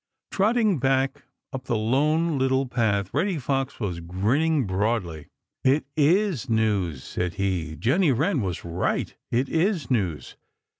Trotting back up the Lone Little Path, Reddy Fox was grinning broadly. "It IS news!" said he. "Jenny Wren was right, it IS news!